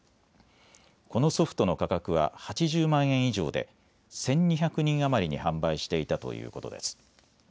このソフトの価格は８０万円以上で１２００人余りに販売していたということです。